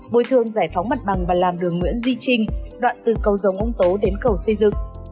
bôi thương giải phóng mặt bằng và làm đường nguyễn duy trinh đoạn từ cầu dống úng tố đến cầu xây dựng